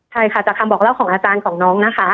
ใช่ค่ะจากคำบอกเล่าของอาจารย์ของน้องนะคะ